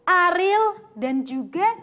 aril dan juga